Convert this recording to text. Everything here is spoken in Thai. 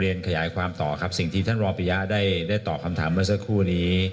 ขยายความต่อครับสิ่งที่ท่านรอปิยะได้ได้ตอบคำถามเมื่อสักครู่นี้